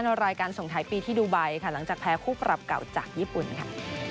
ในรายการส่งท้ายปีที่ดูไบค่ะหลังจากแพ้คู่ปรับเก่าจากญี่ปุ่นค่ะ